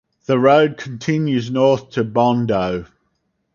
The road continues north to Bondo.